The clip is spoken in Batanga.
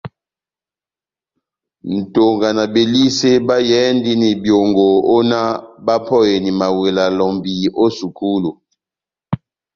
Nʼtonga na Belisé bayɛhɛndini byongo ó náh bapɔheni mawela lɔmbi ó sukulu.